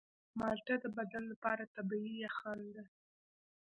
مالټه د بدن لپاره طبیعي یخن دی.